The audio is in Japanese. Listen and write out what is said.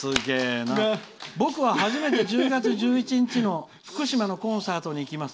「僕は初めて１０月１１日の福島のコンサートに行きます」。